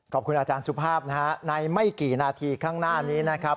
ขอบคุณอาจารย์สุภาพนะฮะในไม่กี่นาทีข้างหน้านี้นะครับ